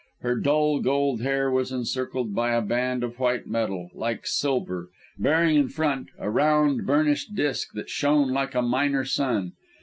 Her dull gold hair was encircled by a band of white metal like silver, bearing in front a round, burnished disk, that shone like a minor sun.